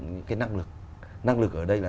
những cái năng lực năng lực ở đây là